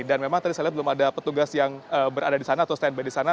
dan memang tadi saya lihat belum ada petugas yang berada di sana atau stand by di sana